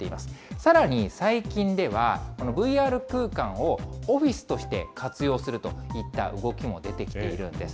さらに最近では、ＶＲ空間をオフィスとして活用するといった動きも出てきているんです。